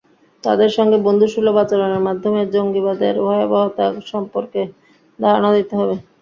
তাঁদের সঙ্গে বন্ধুসুলভ আচরণের মাধ্যমে জঙ্গিবাদের ভয়াবহতা সম্পর্কে ধারণা দিতে হবে।